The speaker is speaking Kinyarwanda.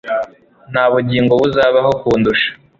nta bugingo buzabaho kundusha